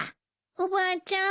おばあちゃん。